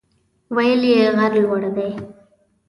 ویل یې غر لوړ دی.